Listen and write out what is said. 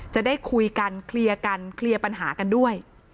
จะได้คุยกันเคลียร์กันเคลียร์ปัญหากันด้วย